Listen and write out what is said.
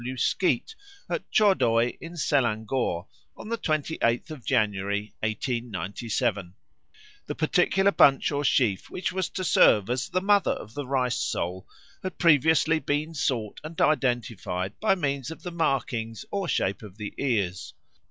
W. Skeat at Chodoi in Selangor on the twenty eighth of January 1897. The particular bunch or sheaf which was to serve as the Mother of the Rice soul had previously been sought and identified by means of the markings or shape of the ears.